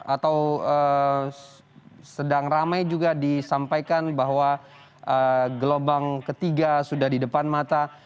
atau sedang ramai juga disampaikan bahwa gelombang ketiga sudah di depan mata